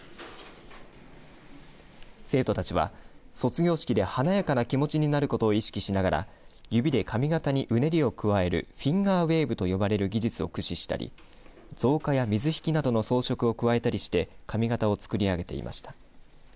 生徒たちは卒業式で華やかな気持ちになることを意識しながら指で髪型にうねりを加えるフィンガーウェーブと呼ばれる技術を駆使したり造花や水引などの装飾を加えたりして髪型をつくりあげていました。